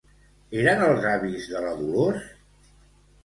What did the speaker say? Eren els avis de la Dolors?